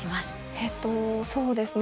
えっとそうですね。